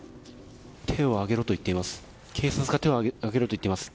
警察が手を上げろと言っています。